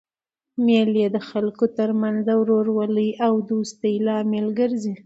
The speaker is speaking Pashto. مېلې د خلکو ترمنځ د ورورولۍ او دوستۍ لامل ګرځي.